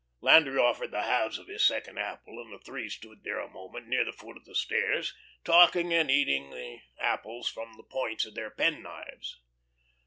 Landry offered the halves of his second apple, and the three stood there a moment, near the foot of the stairs, talking and eating their apples from the points of their penknives.